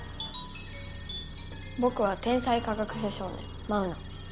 ぼくは天才科学者少年マウナ。